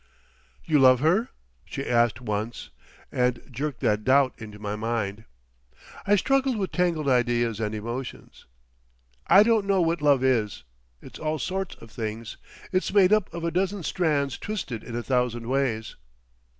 "You love her?" she asked once, and jerked that doubt into my mind. I struggled with tangled ideas and emotions. "I don't know what love is. It's all sorts of things—it's made of a dozen strands twisted in a thousand ways."